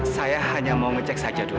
saya hanya mau ngecek saja dulu